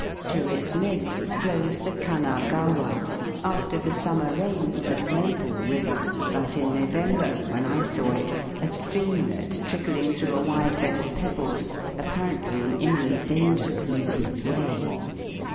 Through its midst flows the Kanagawa, after the summer rains a noble river, but in November, when I saw it, a streamlet trickling through a wide bed of pebbles, apparently in imminent danger of losing its way.